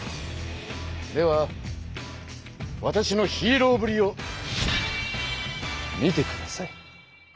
ではわたしのヒーローぶりを見てください。